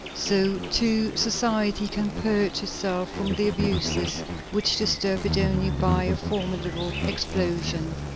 So, too, society can purge itself from the abuses which disturb it only by a formidable explosion....